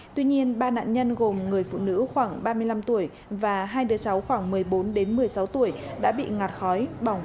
tuy nhiên ba nạn nhân gồm người phụ nữ khoảng ba mươi năm tuổi và hai đứa cháu khoảng một mươi bốn đến một mươi sáu tuổi đã bị ngạt khói bỏng